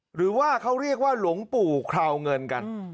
หรือว่าเขาเรียกว่าหลวงปู่คราวเงินกัน